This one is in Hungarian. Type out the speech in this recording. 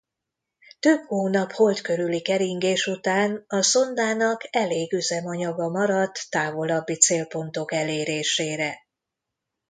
Több hónap Hold körüli keringés után a szondának elég üzemanyaga maradt távolabbi célpontok elérésére.